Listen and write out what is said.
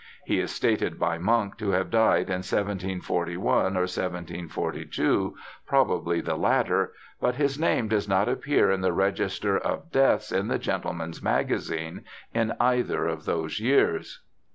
He is stated by Munk to have died in 1741 or 1742, probably the latter, but his name does not appear in the register of deaths in the Gentleman' s Magazine in either of those years.